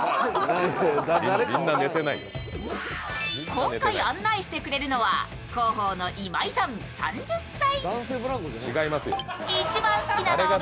今回案内してくれるのは広報の今井さん３０歳。